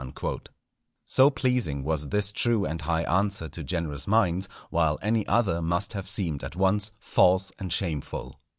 _" So pleasing was this true and high answer to generous minds, while any other must have seemed at once false and shameful.